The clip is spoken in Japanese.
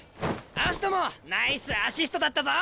葦人もナイスアシストだったぞ！